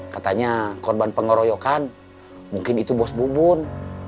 katanya korban pengeroyokan mungkin itu bos bubun